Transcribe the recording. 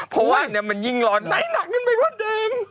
เพราะว่ามันยิ่งร้อนน้ำน้ำมันพิวดเลิง